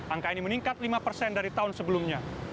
angka ini meningkat lima persen dari tahun sebelumnya